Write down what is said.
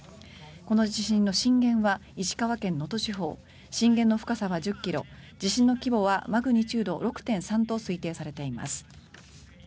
この地震の震源は石川県能登地方震源の深さは１０ｋｍ地震の規模はマグニチュード６．３と推定されています。